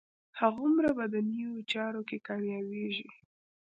هماغومره په دنیوي چارو کې کامیابېږي.